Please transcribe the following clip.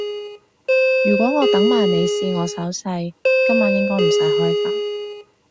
如果我等埋你試我手勢，今晚應該唔使開飯